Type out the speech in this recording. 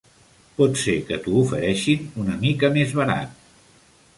Pot ser que t'ho ofereixin una mica més barat.